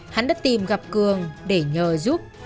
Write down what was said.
hắn đã tìm gặp cường để nhờ giúp